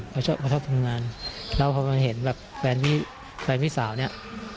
เขาชอบมาชอบทำงานแล้วพอมาเห็นแบบแฟนพี่แฟนพี่สาวเนี่ย